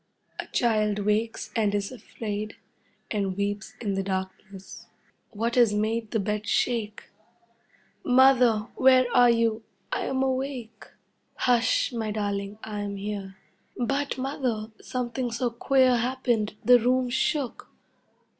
A child wakes and is afraid, and weeps in the darkness. What has made the bed shake? "Mother, where are you? I am awake." "Hush, my Darling, I am here." "But, Mother, something so queer happened, the room shook."